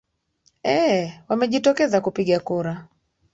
ee wamejitokeza kupiga kura